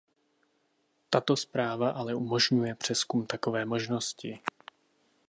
Tato zpráva ale umožňuje přezkum takové možnosti.